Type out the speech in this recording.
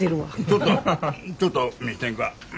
ちょっとちょっと見せてんか。